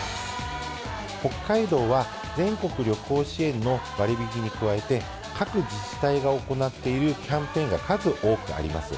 北海道は全国旅行支援の割引に加えて、各自治体が行っているキャンペーンが数多くあります。